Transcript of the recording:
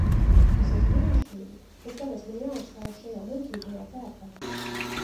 Tas ir brīnišķīgi, bet kāpēc man jāuzstājas šajā muļķīgajā tērpā?